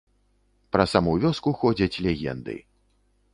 Пра саму вёску ходзяць легенды.